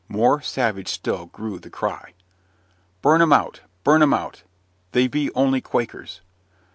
More savage still grew the cry "Burn 'em out! burn 'em out! They be only Quakers!"